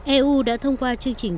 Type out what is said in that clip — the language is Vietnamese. eu đã thông qua chương trình